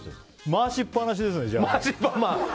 回しっぱなしですね